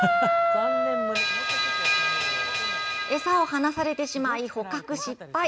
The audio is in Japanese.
餌を離されてしまい捕獲失敗。